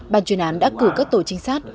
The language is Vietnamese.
ban chuyên án đã cử các tổ chính sát